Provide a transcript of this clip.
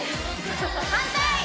反対！